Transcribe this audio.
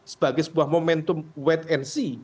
sebagai sebuah momentum wait and see